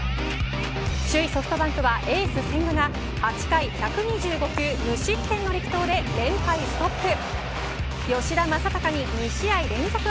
首位ソフトバンクはエース千賀が８回１２５球無失点の力投で連敗ストップ。